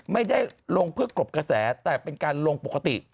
ไม่ได้ลงเพื่อกรบกระแสแต่เป็นการลงปกติ